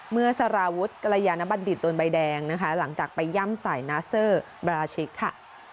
เมื่อสารวุฒิกรยานบัณฑิตโดนใบแดงนะคะหลังจากไปย่ำใส่นาเซอร์บราชิกค่ะ